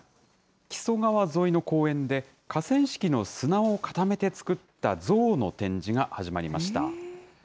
木曽川沿いの公園で、河川敷の砂を固めて作った像の展示が始まりました。